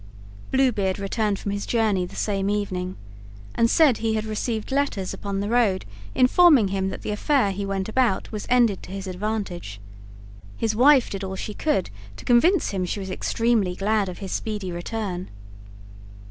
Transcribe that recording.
Blue Beard returned from his journey the same evening, and said he had received letters upon the road informing him that the affair he went about was ended to his advantage. His wife did all she could to convince him she was extremely glad of his speedy return.